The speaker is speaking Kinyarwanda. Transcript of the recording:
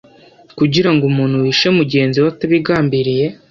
kugira ngo umuntu wishe mugenzi we atabigambiriye